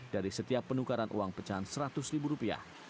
dari setiap penukaran uang pecahan seratus ribu rupiah